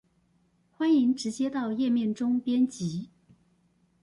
歡迎直接到頁面中編輯